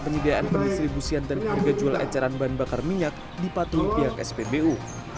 penyediaan pendistribusian dan pergejualan caran bahan bakar minyak di patung pihak spbu